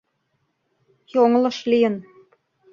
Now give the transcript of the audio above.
— Йоҥылыш лийын...